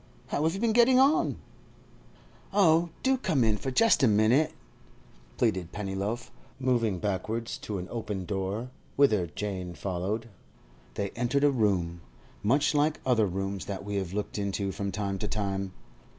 How have you been getting on?' 'Oh, do come in for just a minute!' pleaded Pennyloaf, moving backwards to an open door, whither Jane followed. They entered a room—much like other rooms that we have looked into from time to time.